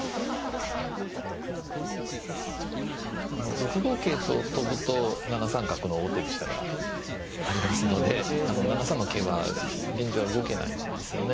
６五桂と跳ぶと７三角の王手飛車がありますので７三の桂馬は現状は動けないんですよね。